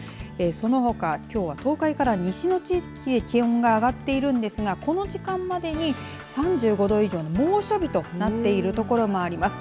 そのほかきょうは東海から西の地域で気温が上がっているんですがこの時間までに３５度以上の猛暑日となっている所もあります。